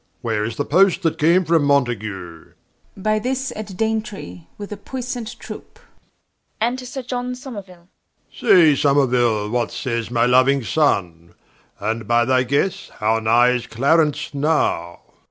Where is the Post that came from Mountague? Mess. 2. By this at Daintry, with a puissant troope. Enter Someruile. War. Say Someruile, what sayes my louing Sonne? And by thy guesse, how nigh is Clarence now?